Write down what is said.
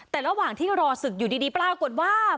แต่ระหว่างที่รอศึกอยู่ดีปรากฏว่า